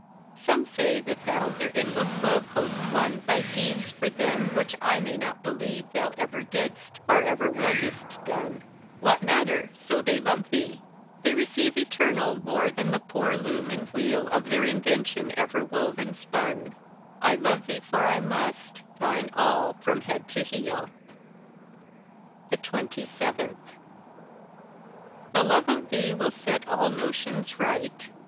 Some say that thou their endless love host won By deeds for them which I may not believe Thou ever didst, or ever willedst done: What matter, so they love thee? They receive Eternal more than the poor loom and wheel Of their invention ever wove and spun. I love thee for I must, thine all from head to heel. 27. The love of thee will set all notions right.